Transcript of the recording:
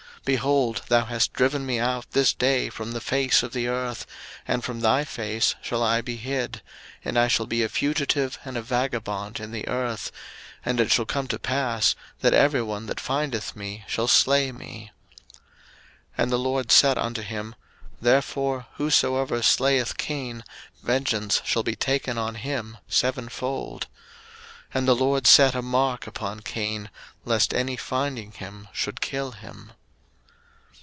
01:004:014 Behold, thou hast driven me out this day from the face of the earth; and from thy face shall I be hid; and I shall be a fugitive and a vagabond in the earth; and it shall come to pass, that every one that findeth me shall slay me. 01:004:015 And the LORD said unto him, Therefore whosoever slayeth Cain, vengeance shall be taken on him sevenfold. And the LORD set a mark upon Cain, lest any finding him should kill him.